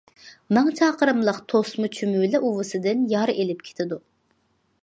« مىڭ چاقىرىملىق توسما چۈمۈلە ئۇۋىسىدىن يار ئېلىپ كېتىدۇ».